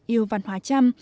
yêu văn hóa trăm